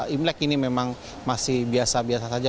imlek ini memang masih biasa biasa saja